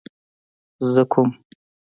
زه کوم